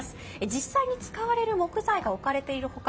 実際に使われる木材が置かれている他